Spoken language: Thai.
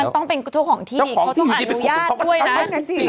มันต้องเป็นเจ้าของที่เขาต้องอ่านบุญญาติด้วยนะ